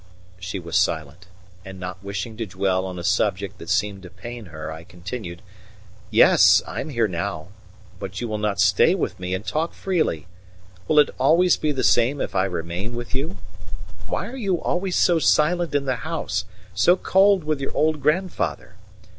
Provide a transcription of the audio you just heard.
She was silent; and not wishing to dwell on a subject that seemed to pain her, I continued: "Yes, I am here now, but you will not stay with me and talk freely! Will it always be the same if I remain with you? Why are you always so silent in the house, so cold with your old grandfather?